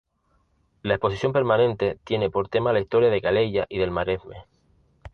La exposición permanente tiene por tema la historia de Calella y del Maresme.